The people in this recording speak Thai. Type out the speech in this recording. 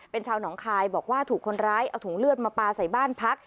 เป็นชาวหนองคายบอกว่าถูกคนร้ายเอาถุงเลือดมาปลาใส่บ้านพัก